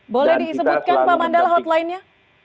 boleh disebutkan pak mandala hotlinenya